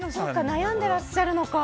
悩んでらっしゃるのか。